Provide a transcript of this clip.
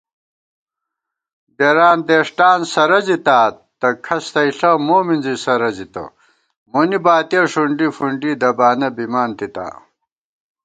دېران دېݭٹان سرَزِتا، تہ کھس تئیݪہ مو مِنزی سرَزِتہ * مونی باتِیَہ ݭُنڈی فُنڈی دبانہ بِمان تِتا